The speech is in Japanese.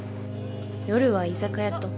［夜は居酒屋と］